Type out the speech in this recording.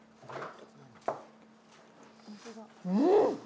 うん！